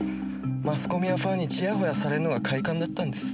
マスコミやファンにチヤホヤされるのが快感だったんです。